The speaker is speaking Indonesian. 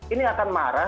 ini akan marah